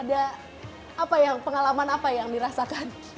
ada apa yang pengalaman apa yang dirasakan